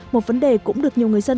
một vấn đề cũng được nhiều người dân